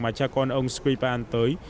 mà cha con ông skripal tới